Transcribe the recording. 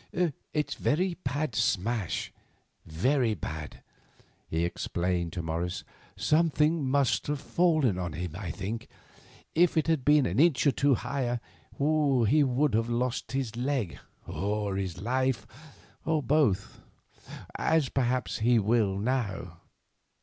"It's a bad smash—very bad," he explained to Morris; "something must have fallen on him, I think. If it had been an inch or two higher, he'd have lost his leg, or his life, or both, as perhaps he will now.